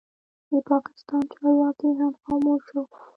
د پاکستان چارواکي هم خاموشه وو.